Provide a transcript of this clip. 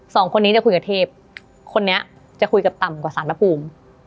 สองคนนี้จะคุยกับเทพคนนี้จะคุยกับต่ำกว่าสารพระภูมิ